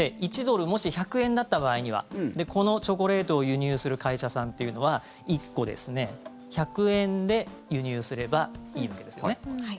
もし１ドル＝１００円だった場合にはこのチョコレートを輸入する会社さんというのは１個１００円で輸入すればいいわけですよね。